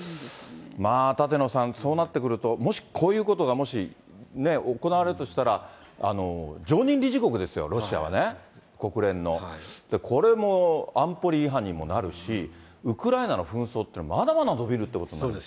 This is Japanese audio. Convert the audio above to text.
まあ、舘野さん、そうなってくると、もしこういうことが、もしね、行われるとしたら、常任理事国ですよ、ロシアはね、国連の。これも安保理違反にもなるし、ウクライナの紛争って、まだまだ延びるっていうことになりますよ